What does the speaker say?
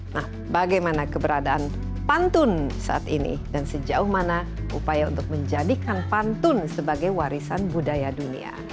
nah bagaimana keberadaan pantun saat ini dan sejauh mana upaya untuk menjadikan pantun sebagai warisan budaya dunia